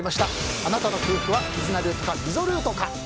あなたの夫婦は絆ルートか溝ルートか。